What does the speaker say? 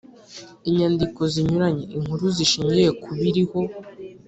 inyandiko zinyuranye, inkuru zishingiye ku biriho